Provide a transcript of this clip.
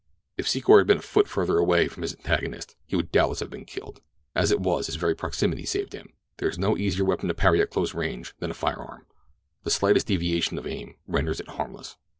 If Secor had been a foot further away from his antagonist he would doubtless have been killed. As it was his very proximity saved him. There is no easier weapon to parry at close range than a firearm. The slightest deviation of aim renders it harmless.